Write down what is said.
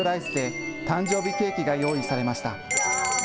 サプライズで誕生日ケーキが用意されました。